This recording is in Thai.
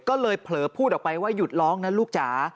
ก็เลยเผลอพูดออกไปว่าหยุดร้องนะลูกจ๋า